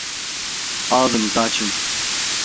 Ağzınızı açın.